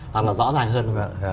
hoặc là rõ ràng hơn không ạ